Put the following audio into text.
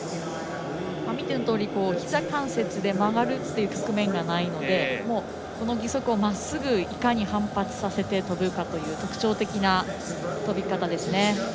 ひざ関節で曲がるということがないのでこの義足をまっすぐいかに反発させて跳ぶかという特徴的な跳び方です。